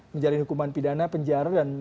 menjalin hukuman pidana